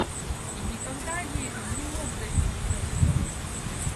И никогда Левин не мог добиться этого.